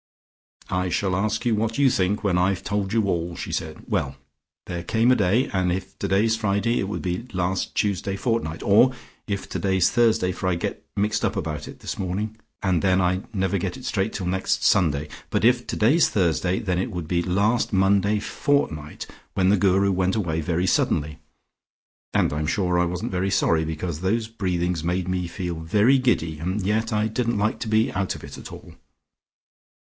"I shall ask you what you think when I've told you all," she said. "Well! There came a day, and if today's Friday it would be last Tuesday fortnight, and if today's Thursday, for I get mixed about it this morning, and then I never get it straight till next Sunday, but if today's Thursday, then it would be last Monday fortnight, when the Guru went away very suddenly, and I'm sure I wasn't very sorry, because those breathings made me feel very giddy and yet I didn't like to be out of it all.